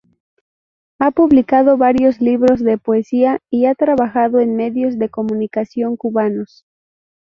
Ha publicado varios libros de poesía y ha trabajado en medios de comunicación cubanos.